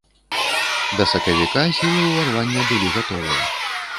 Да сакавіка сілы ўварвання былі гатовыя.